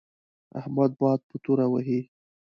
احمد باد په توره وهي.